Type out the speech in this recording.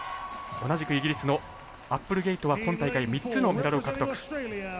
同じくイギリスのアップルゲイト今大会３つのメダルを獲得。